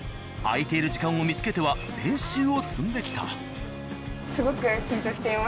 空いている時間を見つけては練習を積んできた。